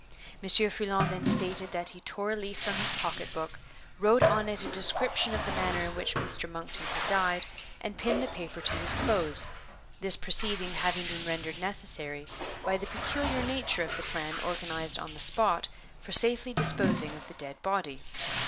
Monsieur Foulon then stated that he tore a leaf from his pocketbook, wrote on it a brief description of the manner in which Mr. Monkton had died, and pinned the paper to his clothes; this proceeding having been rendered necessary by the peculiar nature of the plan organized on the spot for safely disposing of the dead body.